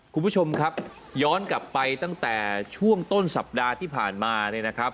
คุณผู้ชมครับย้อนกลับไปตั้งแต่ช่วงต้นสัปดาห์ที่ผ่านมาเนี่ยนะครับ